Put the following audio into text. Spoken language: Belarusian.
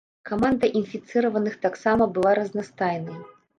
Каманда інфіцыраваных таксама была разнастайнай.